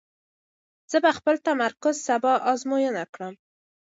زه به خپل تمرکز سبا ازموینه کړم.